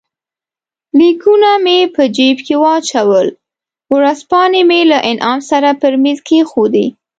لیکونه مې په جېب کې واچول، ورځپاڼې مې له انعام سره پر مېز کښېښودې.